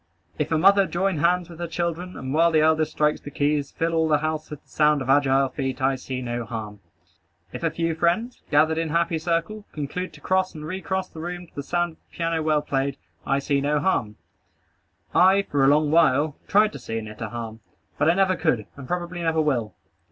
If a mother join hands with her children, and while the eldest strikes the keys, fill all the house with the sound of agile feet, I see no harm. If a few friends, gathered in happy circle, conclude to cross and recross the room to the sound of the piano well played, I see no harm. I for a long while tried to see in it a harm, but I never could, and I probably never will.